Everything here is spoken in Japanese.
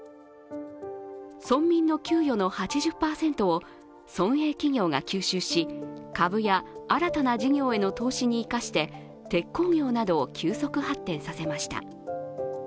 村民の給与の８０％を村営企業が吸収し株や新たな事業への投資に生かして、鉄鋼業などを急速発展させました。